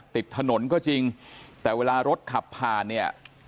ติดถนนก็จริงแต่เวลารถขับผ่านเนี่ย